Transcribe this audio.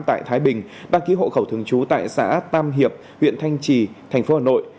tại thái bình đăng ký hộ khẩu thường trú tại xã tam hiệp huyện thanh trì thành phố hà nội